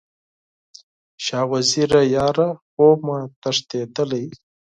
شاه وزیره یاره، خوب مې تښتیدلی